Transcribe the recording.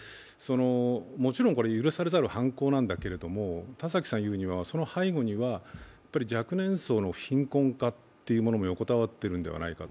もちろんこれは許されざる犯行なんだけど、田崎さん言うにはその背後には、若年層の貧困化も横たわっているのではないかと。